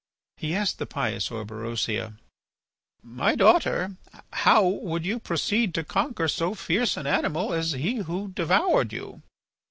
He asked the pious Orberosia: "My daughter, how, would you proceed to conquer so fierce an animal as he who devoured you?"